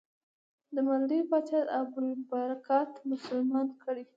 د مالدیو پاچا ابوالبرکات مسلمان کړی.